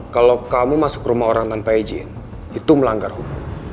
kalau kamu masuk rumah orang tanpa izin itu melanggar hukum